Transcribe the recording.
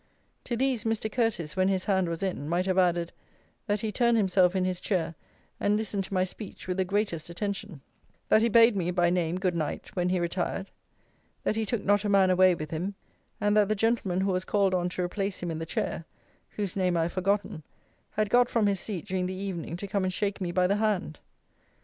To these Mr. Curteis, when his hand was in, might have added, that he turned himself in his chair and listened to my speech with the greatest attention; that he bade me, by name, good night, when he retired; that he took not a man away with him; and that the gentleman who was called on to replace him in the chair (whose name I have forgotten) had got from his seat during the evening to come and shake me by the hand.